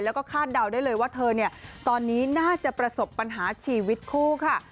แล้วก็คาดเดาได้เลยว่าเธอเนี่ยตอนนี้น่าจะประสบปัญหาชีวิตคู่ค่ะ